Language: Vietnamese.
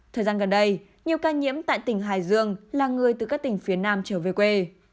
thời gian gần đây nhiều ca nhiễm tại tỉnh hải dương là người từ các tỉnh phía nam trở về quê